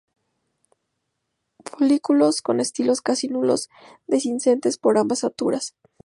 Folículos con estilos casi nulos, dehiscentes por ambas suturas.